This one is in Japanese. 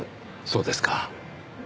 そうですか。